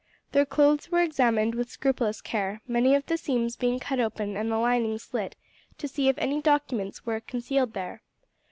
Their clothes were examined with scrupulous care, many of the seams being cut open and the linings slit, to see if any documents were concealed there.